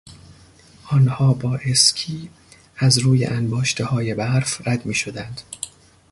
آنها با اسکی از روی انباشتههای برف رد میشدند.